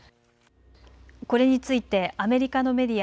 これについてアメリカのメディア